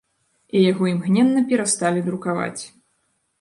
І яго імгненна перасталі друкаваць.